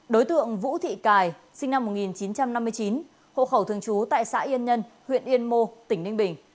đối tượng vũ thị cài sinh năm một nghìn chín trăm năm mươi chín hộ khẩu thường trú tại xã yên nhân huyện yên mô tỉnh ninh bình